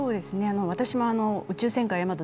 私も「宇宙戦艦ヤマト」